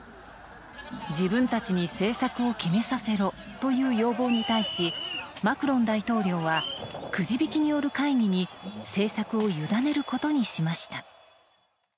自分たちに政策を決めさせろという要望に対しマクロン大統領はくじ引きによる会議に政策を委ねることにしました。